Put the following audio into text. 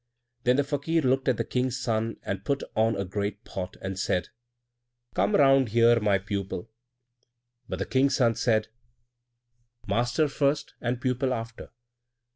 Then the Fakir looked at the King's son and put on a great pot, and said, "Come round here, my pupil." But the King's son said, "Master first, and pupil after."